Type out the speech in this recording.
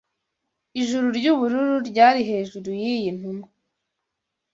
ijuru ry’ubururu ryari hejuru y’iyi ntumwa